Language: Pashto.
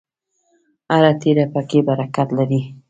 هره تیږه پکې برکت لري.